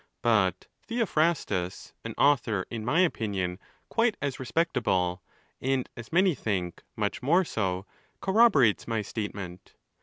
—But Theophrastus, an author, In my opinion, quite as respectable, and as many think much more so, cor roborates my statement.